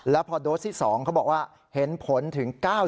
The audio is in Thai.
แล้วพอโดสที่๒เขาบอกว่าเห็นผลถึง๙๐